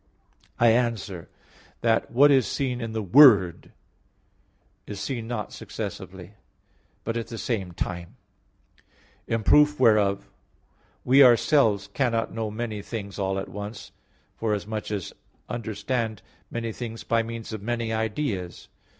I answer that, What is seen in the Word is seen not successively, but at the same time. In proof whereof, we ourselves cannot know many things all at once, forasmuch as understand many things by means of many ideas.